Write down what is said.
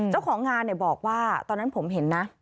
เจ้าของงานบอกว่าตอนนั้นผมเห็นนะ